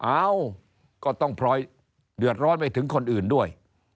เอ้าก็ต้องพลอยเดือดร้อนไปถึงคนอื่นด้วย